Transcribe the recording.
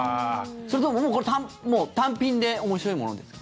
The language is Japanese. それとももう単品で面白いものですか？